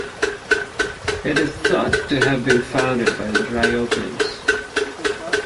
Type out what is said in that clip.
It is thought to have been founded by the Dryopians.